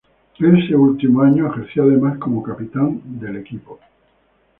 Ese último año ejerció además como capitán del equipo.